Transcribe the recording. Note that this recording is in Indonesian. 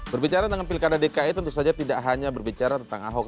berbicara tentang pilkada dki tentu saja tidak hanya berbicara tentang ahok